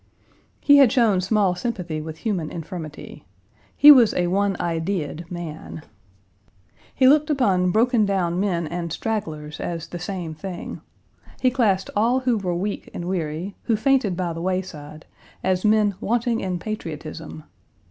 "He had shown small sympathy with human infirmity. He was a one idea ed man. He looked upon broken down Page 262 men and stragglers as the same thing. He classed all who were weak and weary, who fainted by the wayside, as men wanting in patriotism.